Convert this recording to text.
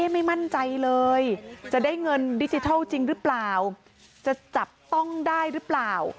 ไม่มั่นใจเลยจะได้เงินดิจิทัลจริงหรือเปล่าจะจับต้องได้หรือเปล่า